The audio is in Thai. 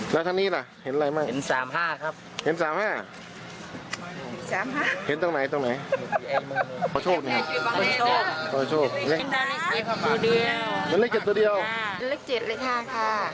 ขอโชคได้ข่าวว่าเขาคนมาตั้งแต่เมื่อวานวันนี้ได้มาถูกเลข